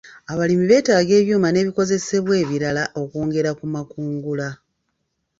Abalimi beetaaga ebyuma n'ebikozesebwa ebirala okwongera ku makungula.